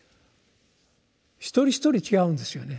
一人一人違うんですよね。